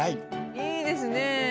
いいですね！